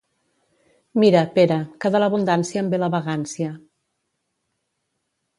Mira, Pere, que de l'abundància en ve la vagància.